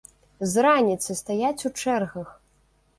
З раніцы стаяць у чэргах!